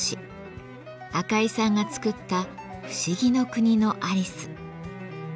赤井さんが作った「不思議の国のアリス」。